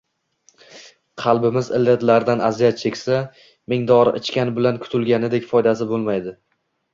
Qalbimiz illatlardan aziyat cheksa, ming dori ichgan bilan kutilganidek foydasi bo‘lmaydi.